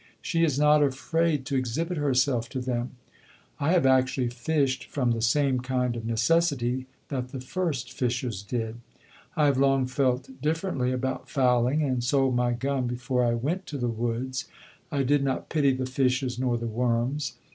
She is not afraid to exhibit herself to them.... I have actually fished from the same kind of necessity that the first fishers did. I have long felt differently about fowling, and sold my gun before I went to the woods. I did not pity the fishes nor the worms.